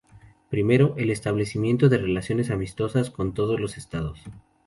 Primero, el establecimiento de relaciones amistosas con todos los estados.